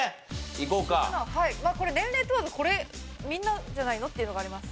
年齢問わずこれみんなじゃないの？っていうのがあります。